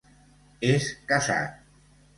És casat.